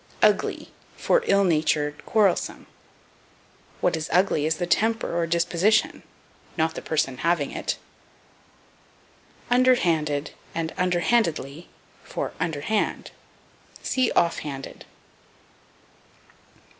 Ugly for Ill natured, Quarrelsome. What is ugly is the temper, or disposition, not the person having it. Under handed and Under handedly for Under hand. See _Off handed.